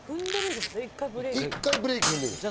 １回ブレーキ踏んでるんです。